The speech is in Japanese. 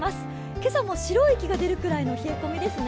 今朝も白い息が出るぐらいの冷え込みですね。